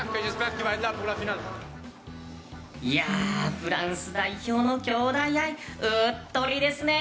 フランス代表の兄弟愛、ウットリですね！